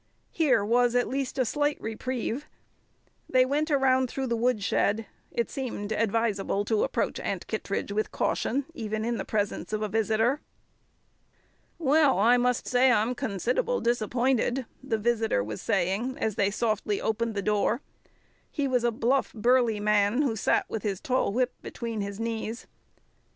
Here was at least a slight reprieve. They went around through the woodshed; it seemed advisable to approach Aunt Kittredge with caution, even in the presence of a visitor. "Well, I must say I'm consid'able disappointed," the visitor was saying, as they softly opened the door. He was a bluff, burly man, who sat with his tall whip between his knees.